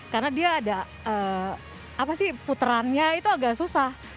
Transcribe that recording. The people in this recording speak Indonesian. karena dia ada puterannya itu agak susah